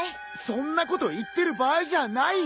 そんなこと言ってる場合じゃないよ。